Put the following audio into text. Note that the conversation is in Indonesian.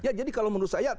ya jadi kalau menurut saya